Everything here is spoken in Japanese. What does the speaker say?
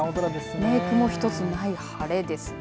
雲一つない晴れですね。